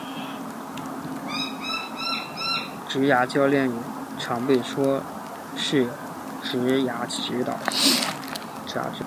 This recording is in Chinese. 职涯教练也常被说是职涯指导。